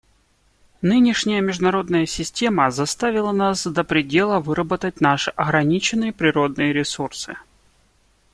Нынешняя международная система заставила нас до предела выработать наши ограниченные природные ресурсы.